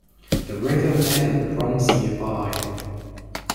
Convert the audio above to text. The River Meden runs nearby.